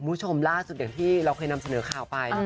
คุณผู้ชมล่าสุดอย่างที่เราเคยนำเสนอข่าวไป